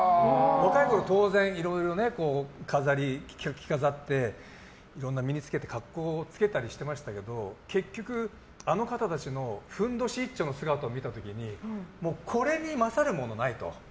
若いころは着飾って、いろいろ身に付けて格好つけたりしてましたけど結局、あの方たちのふんどし一丁の姿を見た時にこれに勝るものはないと。